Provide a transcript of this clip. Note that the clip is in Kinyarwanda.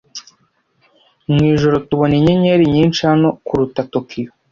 Mwijoro tubona inyenyeri nyinshi hano kuruta Tokiyo